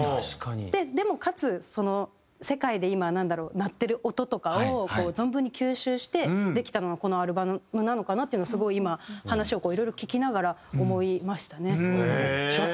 でもかつその世界で今なんだろう鳴ってる音とかをこう存分に吸収してできたのがこのアルバムなのかなっていうのをすごい今話をこういろいろ聞きながら思いましたね。